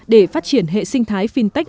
để phát triển hệ sinh thái fintech